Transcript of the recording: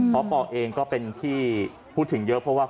เพราะปเองก็เป็นที่พูดถึงเยอะ